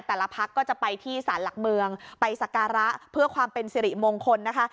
แต่ละพักก็จะไปที่สารหลักเมืองไปสการะเพื่อความเป็นสิริมงคลนะคะ